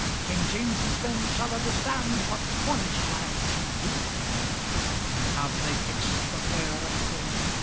King James's men shall understand What Cornish lads can do! And have they fixed the where and when?